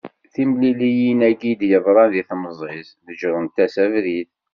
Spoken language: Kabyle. Timliliyin-agi i d-yeḍṛan di temẓi-s neğṛent-as abrid.